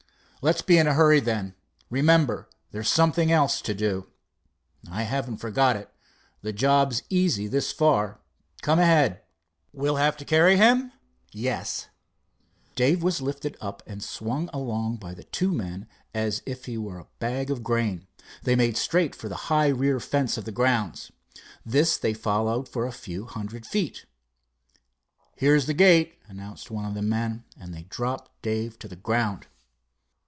"Let's be in a hurry, then. Remember there's something else to do." "I haven't forgotten it. The job's easy this far. Come ahead." "We'll have to carry him?" "Yes." Dave was lifted up and swung along by the two men as if he were a bag of grain. They made straight for the high rear fence of the grounds. This they followed for a few hundred feet. "Here's the gate," announced one of the men, and they dropped Dave to the ground.